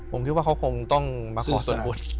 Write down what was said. ผมคิดว่าเขาคงต้องมาขอส่วนบุญ